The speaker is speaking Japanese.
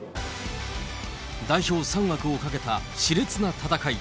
代表３枠を懸けたしれつな戦い。